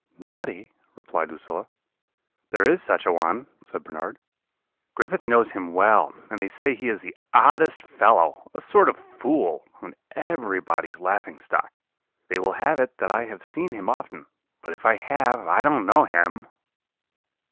"'Noddy?' replied Lucilla. "'There is such a one,' said Bernard; 'Griffith knows him well, and they say he is the oddest fellow a sort of fool, and everybody's laughing stock. They will have it that I have seen him often; but if I have, I don't know him.'